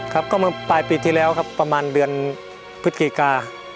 ครับก็เมื่อปลายปีที่แล้วครับประมาณเดือนพฤศจิกา